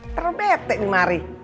terbete nih mari